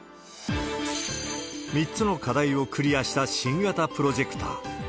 ３つの課題をクリアした新型プロジェクター。